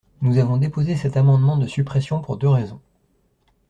Nous avons déposé cet amendement de suppression pour deux raisons.